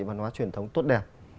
và nhoá truyền thống tốt đẹp